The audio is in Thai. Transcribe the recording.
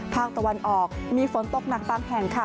ภาคตะวันออกมีฝนตกหนักบางแห่งค่ะ